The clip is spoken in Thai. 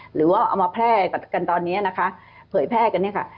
หรือว่าเอามาแพร่กันตอนนี้นะคะเผยแพร่กันเนี่ยค่ะ